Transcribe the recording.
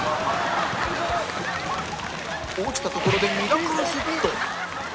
落ちたところでミラクルヒット